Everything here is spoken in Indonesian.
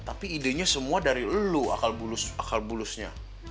tapi idenya semua dari lu akal bulusnya